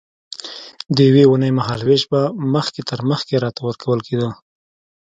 د یوې اوونۍ مهال وېش به مخکې تر مخکې راته ورکول کېده.